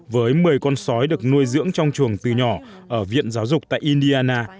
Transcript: với một mươi con sói được nuôi dưỡng trong chuồng từ nhỏ ở viện giáo dục tại indiana